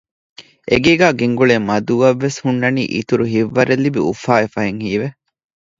އެ ގޭގައި ގެންގުޅޭ މަދޫއަށް ވެސް ހުންނަނީ އިތުރު ހިތްވަރެއް ލިބި އުފާވެފަހެން ހީވެ